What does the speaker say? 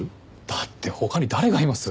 だって他に誰がいます？